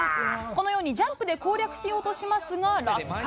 このようにジャンプで攻略しようとしますが、落下。